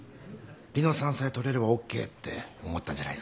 梨乃さんさえ撮れればＯＫって思ったんじゃないですかね。